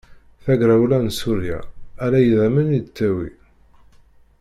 Tagrawla n Surya ala idammen i d-tewwi.